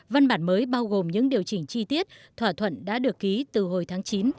văn bản mới bao gồm những điều chỉnh chi tiết thỏa thuận đã được ký từ hồi tháng chín